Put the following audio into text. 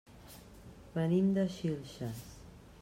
Venim de Xilxes.